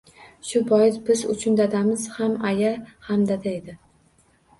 Shu bois biz uchun dadamiz ham aya, ham dada edi.